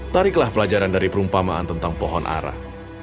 tariklah pelajaran dari perumpamaan tentang pohon arah